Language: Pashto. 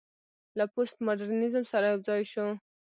له پوسټ ماډرنيزم سره يوځاى شو